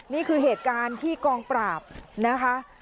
นี่คือเหตุการณ์ที่กองปราบนะคะ